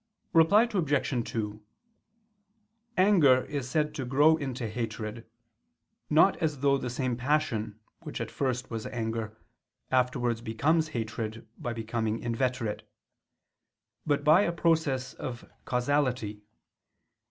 Reply Obj. 2: Anger is said to grow into hatred, not as though the same passion which at first was anger, afterwards becomes hatred by becoming inveterate; but by a process of causality.